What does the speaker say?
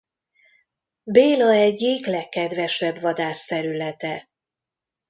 Béla egyik legkedvesebb vadászterülete.